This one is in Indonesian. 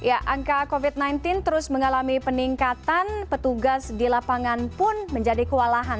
ya angka covid sembilan belas terus mengalami peningkatan petugas di lapangan pun menjadi kewalahan